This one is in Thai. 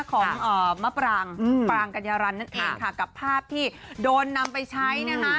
ของมะปรางปรางกัญญารันนั่นเองค่ะกับภาพที่โดนนำไปใช้นะคะ